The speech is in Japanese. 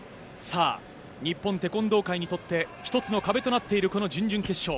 日本テコンドー界にとって１つの壁になっているこの準々決勝。